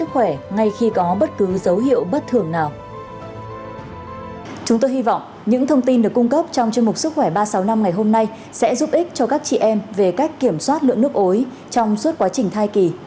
hãy giúp ích cho các chị em về cách kiểm soát lượng nước ối trong suốt quá trình thai kỳ